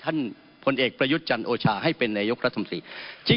ท่านผลเอกประยุติจันทร์โอชาให้เป็นนายยกรัฐธรรมศรี